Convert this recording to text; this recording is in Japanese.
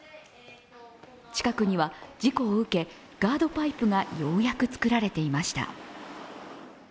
近くには事故を受け、ガードパイプがようやく作られていました。